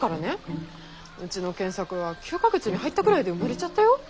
うちの健作は９か月に入ったぐらいで生まれちゃったよ。